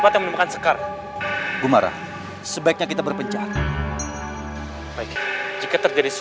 atau bisa berarti siap main main